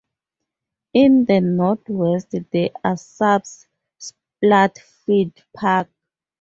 In the north-west of the suburb is Platt Fields Park.